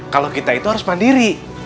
kalau kita itu harus mandiri